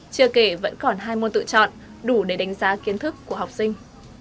chưa kể vẫn còn hai môn tự chọn đủ để đánh giá kiến thức của học sinh